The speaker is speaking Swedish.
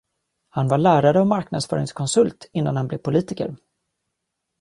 Han var lärare och marknadsföringskonsult innan han blev politiker.